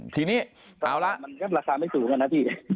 ทีนี้เอาละมันก็ราคาไม่สูงอะนะพี่